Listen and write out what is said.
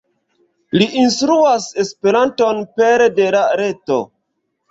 Li instruas Esperanton pere de la reto.